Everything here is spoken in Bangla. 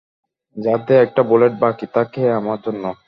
যাতে একটা বুলেট বাকি থাকে আমার জন্য!